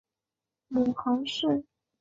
母侯氏。